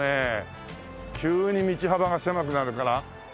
急に道幅が狭くなるから。